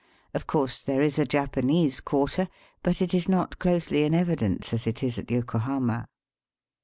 Of course there Is a Japanese quarter, but it is not closely in evidence as it is at Yokohama.